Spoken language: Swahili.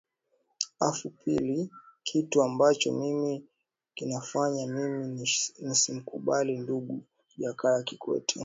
afu pili kitu ambacho mimi kinanifanya mimi nisimkubali ndugu jakaya kikwete